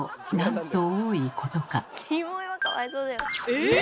えっ！